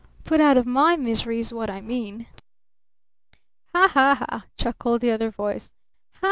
Put out of my misery is what I mean!" "Ha! Ha! Ha!" chuckled the other voice. "Ha!